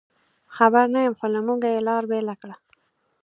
خبر نه یم، خو له موږه یې لار بېله کړه.